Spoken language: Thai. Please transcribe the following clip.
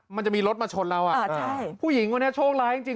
มันจะมีรถมาชนเราอ่ะอ่าใช่ผู้หญิงคนนี้โชคร้ายจริงจริง